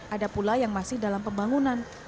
ada pula yang masih dalam pembangunan